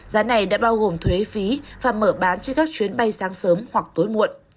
giá này đã bao gồm thuế phí và mở bán trên các chuyến bay sáng sớm hoặc tối muộn